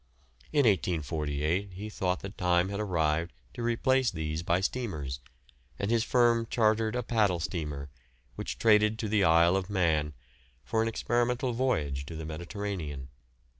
In 1848 he thought the time had arrived to replace these by steamers, and his firm chartered a paddle steamer, which traded to the Isle of Man, for an experimental voyage to the Mediterranean.